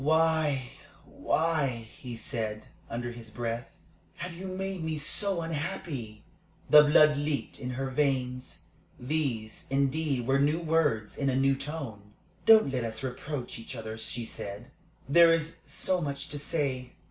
"Why why" he said, under his breath "have you made me so unhappy?" The blood leaped in her veins. These, indeed, were new words in a new tone. "Don't let us reproach each other," she said. "There is so much to say.